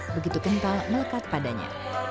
begitu kental melekat padanya